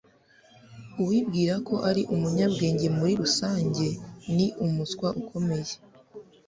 uwibwira ko ari umunyabwenge muri rusange ni umuswa ukomeye